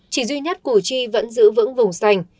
chỉ duy nhất củ chi vẫn giữ vững vùng sành